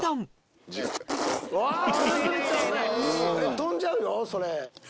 飛んじゃうよそれ。